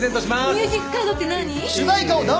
ミュージックカードって何？